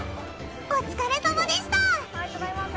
お疲れさまでした！